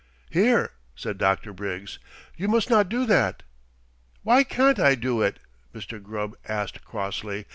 "Here!" said Dr. Briggs. "You must not do that!" "Why can't I do it?" Mr. Gubb asked crossly.